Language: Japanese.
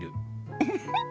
ウフフッ。